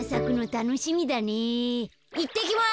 いってきます。